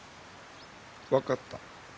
分かった。